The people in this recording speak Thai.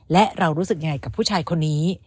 และเรารู้สึกยังไงกับผู้ชายคนนี้